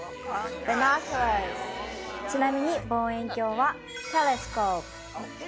ちなみに「望遠鏡」は。